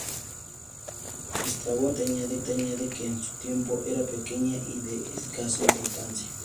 Estrabón únicamente añade que en su tiempo era pequeña y de escasa importancia.